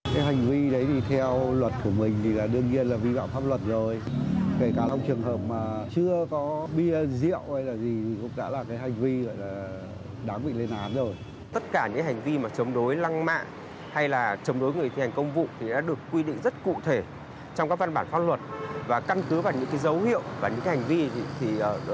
khiến đại úy châu gãy chân phải